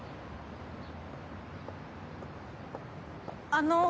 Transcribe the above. ・あの。